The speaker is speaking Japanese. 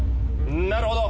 なるほど！